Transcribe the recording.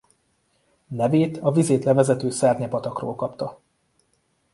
Nevét a vizét levezető Szernye-patakról kapta.